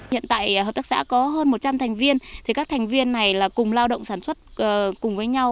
hiện tại hợp tác xã có hơn một trăm linh thành viên các thành viên này là cùng lao động sản xuất cùng với nhau